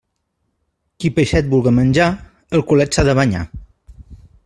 Qui peixet vulga menjar, el culet s'ha de banyar.